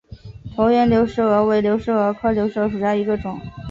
椭圆流石蛾为流石蛾科流石蛾属下的一个种。